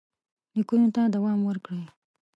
لیکونو ته دوام ورکړئ.